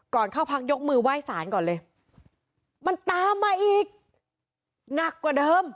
เข้าพักยกมือไหว้สารก่อนเลยมันตามมาอีกหนักกว่าเดิม